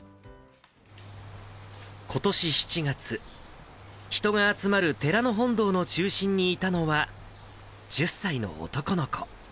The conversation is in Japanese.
ことし７月、人が集まる寺の本堂の中心にいたのは１０歳の男の子。